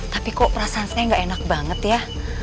tapi kok perasaan saya gak enak banget ya